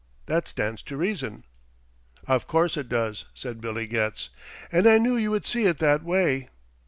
That stands to reason." "Of course it does," said Billy Getz. "And I knew you would see it that way."